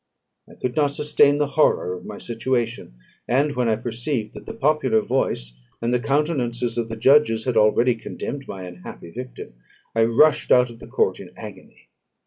I could not sustain the horror of my situation; and when I perceived that the popular voice, and the countenances of the judges, had already condemned my unhappy victim, I rushed out of the court in agony.